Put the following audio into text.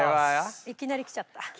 いきなりきちゃった。